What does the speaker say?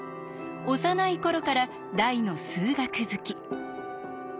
幼い頃から大の数学好き。